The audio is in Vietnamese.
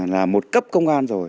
là một cấp công an rồi